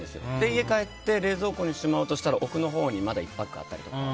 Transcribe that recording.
家帰って冷蔵庫にしまおうとしたら奥のほうにまだ１パックあったりして。